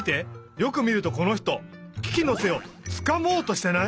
よくみるとこの人キキのてをつかもうとしてない？